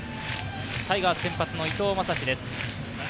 タイガース先発の伊藤将司です。